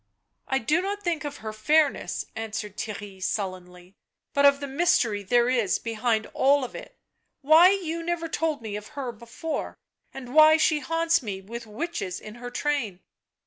" I do not think of her fairness," answered Theirry sullenly, " but of the mystery there is behind all of it — why you never told me of her before, and why she haunts me with witches in her train."